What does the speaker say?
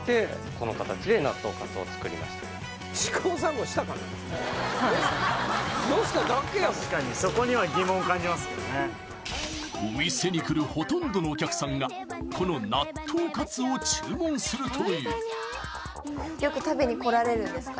はいのせただけやろお店に来るほとんどのお客さんがこの納豆かつを注文するというよく食べに来られるんですか？